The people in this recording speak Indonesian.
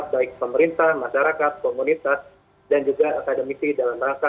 baik pemerintah masyarakat komunitas dan juga akademisi dalam rangka